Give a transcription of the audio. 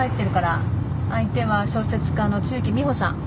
相手は小説家の露木美帆さん。